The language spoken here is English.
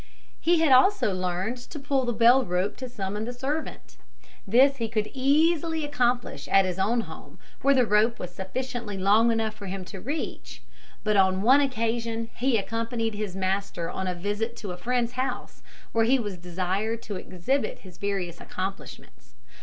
He had also learned to pull the bell rope to summon the servant. This he could easily accomplish at his own home, where the rope was sufficiently long for him to reach; but on one occasion he accompanied his master on a visit to a friend's house, where he was desired to exhibit his various accomplishments.